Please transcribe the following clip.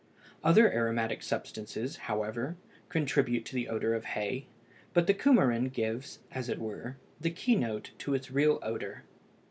Other aromatic substances, however, contribute to the odor of hay, but the cumarin gives, as it were, the keynote to its real odor.